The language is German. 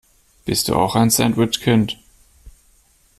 Bist du auch ein Sandwich-Kind?